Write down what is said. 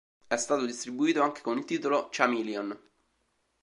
È stato distribuito anche con il titolo "Chameleon".